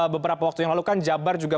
beberapa waktu yang lalu kan jabar juga